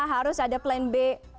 harus ada plan b